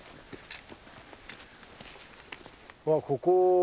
わっここ。